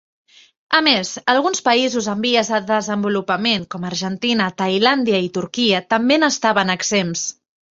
A més, alguns països en vies de desenvolupament com Argentina, Tailàndia i Turquia també n'estaven exempts.